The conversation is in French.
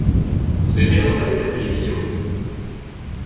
Vous aimez regarder la télévision ?